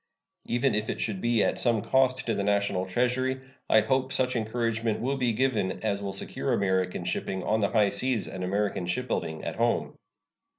Even if it should be at some cost to the National Treasury, I hope such encouragement will be given as will secure American shipping on the high seas and American shipbuilding at home.